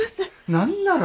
何なら？